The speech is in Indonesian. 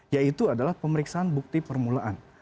yaitu adalah pemeriksaan bukti permulaan